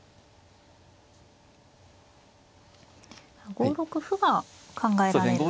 ５六歩が考えられる手ですね。